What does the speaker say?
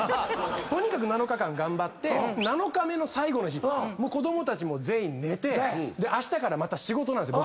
とにかく７日間頑張って７日目の最後の日子供たちも全員寝てあしたから仕事なんですよ